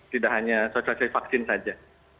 tidak hanya sosialisasi vaksin saja